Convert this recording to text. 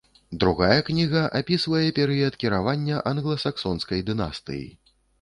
Другая кніга апісвае перыяд кіравання англасаксонскай дынастыі.